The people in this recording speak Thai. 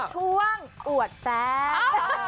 ช่วงอวดแป๊บ